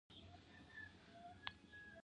د ژبې جریان باید مدیریت شي نه بند.